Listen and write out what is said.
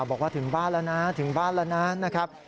บอกว่าถึงบ้านแล้วนะถึงบ้านแล้วนะครับ